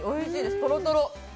とろとろ。